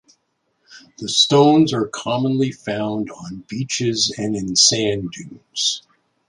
The stones are commonly found on beaches and in sand dunes.